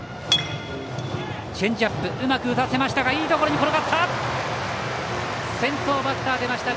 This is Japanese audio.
チェンジアップ、うまく打たせていいところに転がった！